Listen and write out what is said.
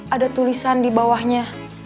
ada tulisan di bawahnya